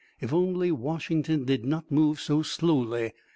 If only Washington did not move, so slowly!"